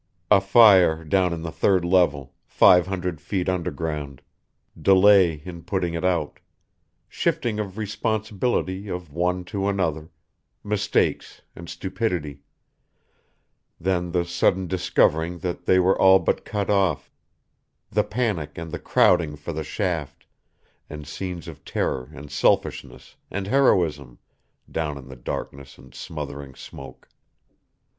A fire down in the third level, five hundred feet underground; delay in putting it out; shifting of responsibility of one to another, mistakes and stupidity; then the sudden discovering that they were all but cut off; the panic and the crowding for the shaft, and scenes of terror and selfishness and heroism down in the darkness and smothering smoke.